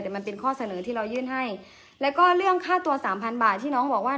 แต่มันเป็นข้อเสนอที่เรายื่นให้แล้วก็เรื่องค่าตัวสามพันบาทที่น้องบอกว่า